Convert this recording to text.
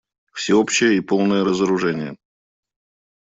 Всеобщее и полное разоружение.